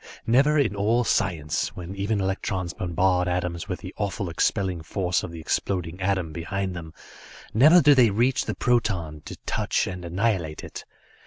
Never in all science, when even electrons bombard atoms with the awful expelling force of the exploding atom behind them, never do they reach the proton, to touch and annihilate it.